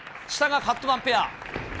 下がカットマンペア。